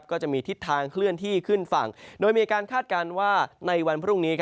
ก็จะมีทิศทางเคลื่อนที่ขึ้นฝั่งโดยมีการคาดการณ์ว่าในวันพรุ่งนี้